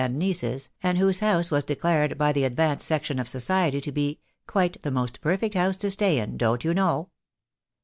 and nieces, and whose house was declared by the ad vanced section of society to be "quite the most perfect house to stay in, don't you know."